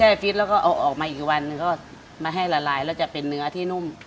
ฟิตแล้วก็เอาออกมาอีกวันหนึ่งก็มาให้ละลายแล้วจะเป็นเนื้อที่นุ่ม